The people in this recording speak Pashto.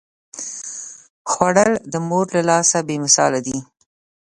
خوړل د مور له لاسه بې مثاله دي